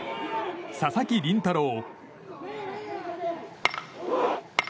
佐々木麟太郎。